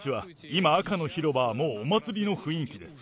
今、赤の広場はもうお祭りの雰囲気です。